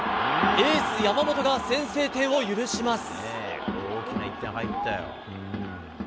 エース、山本が先制点を許します。